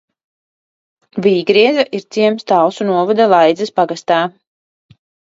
Vīgrieze ir ciems Talsu novada Laidzes pagastā.